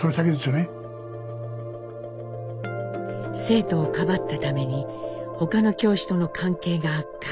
生徒をかばったために他の教師との関係が悪化。